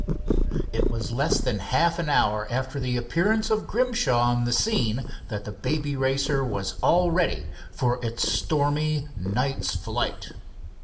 It was less than half an hour after the appearance of Grimshaw on the scene that the Baby Racer was all ready for its stormy night's flight.